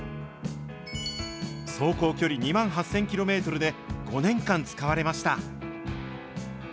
走行距離２万８０００キロメートルで、５年間使われました。